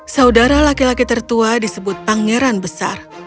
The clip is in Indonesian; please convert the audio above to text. saudara laki laki tertua disebut pangeran besar